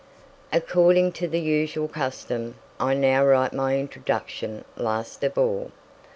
According to the usual custom, I now write my introduction last of all.